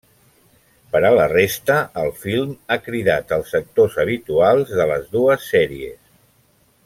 Per a la resta, el film ha cridat als actors habituals de les dues sèries.